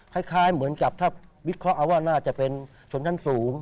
คล้ายเหมือนกับถ้าวิเคราะห์เอาว่าน่าจะเป็นชนชั้นสูง